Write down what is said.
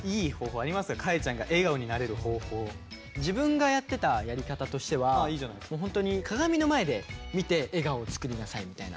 自分がやってたやり方としてはホントに鏡の前で見て笑顔を作りなさいみたいな。